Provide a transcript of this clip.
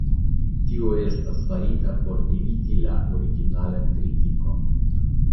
Tio estas farita por eviti la originalan kritikon.